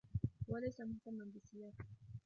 هو ليس مهتما بالسياسة.